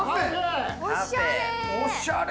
おしゃれ。